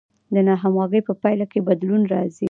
د ناهمغږۍ په پایله کې بدلون راځي.